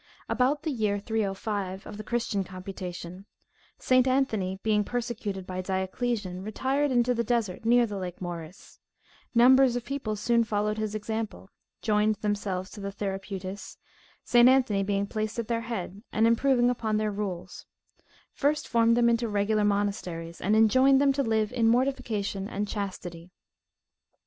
About the year 305 of the christian computation, St. Anthony being persecuted by Dioclesian, retired into the desert near the lake Moeris; numbers of people soon followed his example, joined themselves to the Therapeutes; St. Anthony being placed at their head, and improving upon their rules, first formed them into regular monasteries, and enjoined them to live in mortification and chastity.